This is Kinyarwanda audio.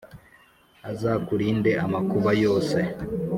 azakurinde amakuba yose.